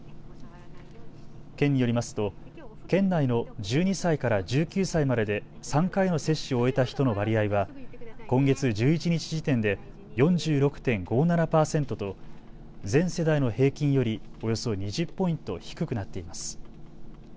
県によりますと県内の１２歳から１９歳までで３回の接種を終えた人の割合は今月１１日時点で４６．５７％と全世代の平均よりおよそ２０ポイント低くなっています。